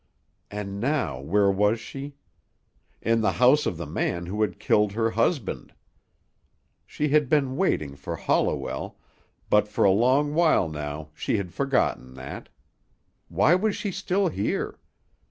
And now where was she? In the house of the man who had killed her husband! She had been waiting for Holliwell, but for a long while now she had forgotten that. Why was she still here?